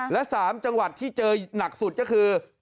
และ๓จังหวัดที่เจอหนักสุดก็คือ